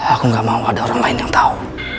aku gak mau ada orang lain yang tahu